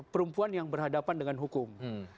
perempuan yang berhadapan dengan hukum